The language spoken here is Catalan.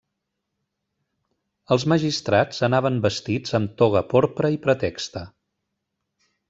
Els magistrats anaven vestits amb toga porpra i pretexta.